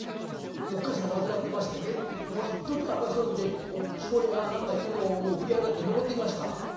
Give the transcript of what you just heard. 「おっ母さん患ってましてねもういっときを争うんできこりが何か言うのを振り払って登ってきました」。